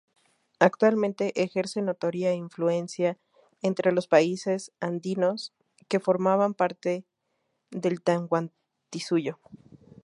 Actualmente, ejerce notoria influencia entre los países andinos que formaban parte del Tahuantinsuyo.